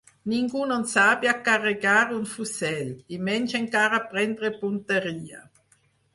Ningú no sabia carregar un fusell, i menys encara prendre punteria.